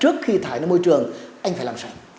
trước khi thải ra môi trường anh phải làm sạch